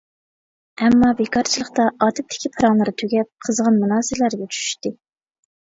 ئەمما بىكارچىلىقتا ئادەتتىكى پاراڭلىرى تۈگەپ، قىزغىن مۇنازىرىلەرگە چۈشۈشتى.